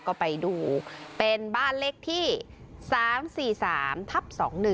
ก็ไปดูเป็นบ้านเลขที่๓๔๓ทับ๒๑